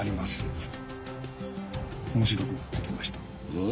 うん？